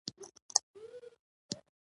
اوبه د الله له اړخه ډیر لوئ نعمت دی